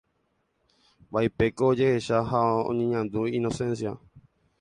Vaípeko ojehecha ha oñeñandu Inocencia.